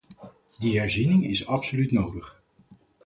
Die herziening is absoluut nodig.